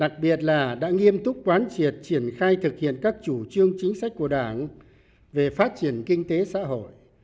đặc biệt là đã nghiêm túc quán triệt triển khai thực hiện các chủ trương chính sách của đảng về phát triển kinh tế xã hội